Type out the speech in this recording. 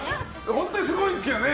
本当にすごいんですけどね